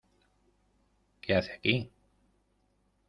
¿ Qué hace aquí?